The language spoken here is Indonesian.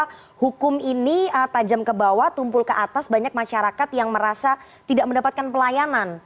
karena hukum ini tajam ke bawah tumpul ke atas banyak masyarakat yang merasa tidak mendapatkan pelayanan